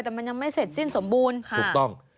แต่มันยังไม่เสร็จสิ้นสมบูรณ์ค่ะ